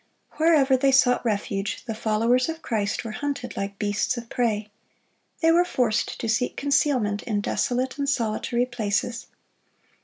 Wherever they sought refuge, the followers of Christ were hunted like beasts of prey. They were forced to seek concealment in desolate and solitary places.